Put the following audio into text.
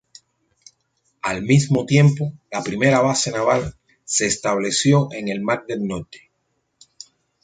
Al mismo tiempo, la primera base naval se estableció en el Mar del Norte.